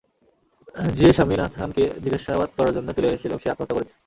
যে স্বামীনাথানকে জিজ্ঞাসাবাদ করার জন্য তুলে এনেছিলাম সে আত্মহত্যা করেছে!